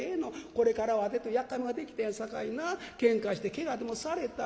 これからはわてというやっかいもんができたんやさかいなけんかしてけがでもされたら」。